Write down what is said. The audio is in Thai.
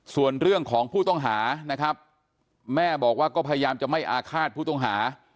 ส่วนเรื่องของผู้ต้องหานะครับแม่บอกว่าก็พยายามจะไม่อาฆาตผู้ต้องหา